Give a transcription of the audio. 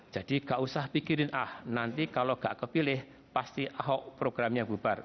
jadi gak usah pikirin ah nanti kalau gak kepilih pasti ahok programnya bubar